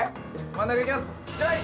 真ん中いきますはい！